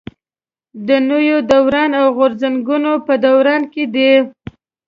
د نوي دوران او غورځنګونو په دوران کې دي.